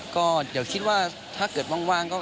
ก็เดี๋ยวคิดว่าถ้าเกิดว่างก็